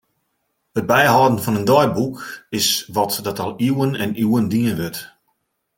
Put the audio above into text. It byhâlden fan in deiboek is wat dat al iuwen en iuwen dien wurdt.